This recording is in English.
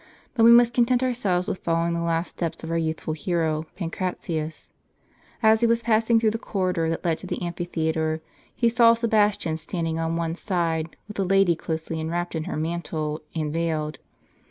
But we must content ourselves with following the last steps of our youthful hero, Pancratius. As he was passing through the corridor that led to the amphitheatre, he saw Sebastian standing on one side, with a lady closely enwrapped in her mantle, and veiled.